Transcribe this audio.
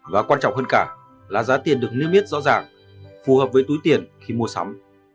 và quan trọng hơn cả là giá tiền được niêm yết rõ ràng phù hợp với túi tiền khi mua sắm